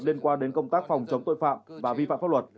liên quan đến công tác phòng chống tội phạm và vi phạm pháp luật